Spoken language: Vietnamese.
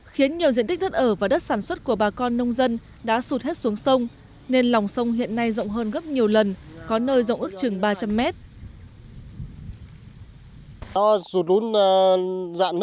khiến nhiều diện tích đất ở và đất sản xuất của bà con nông dân đã sụt hết xuống sông nên lòng sông hiện nay rộng hơn